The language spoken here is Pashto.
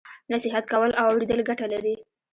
نصیحت کول او اوریدل ګټه لري.